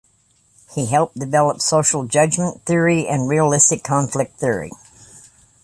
He helped develop social judgment theory and realistic conflict theory.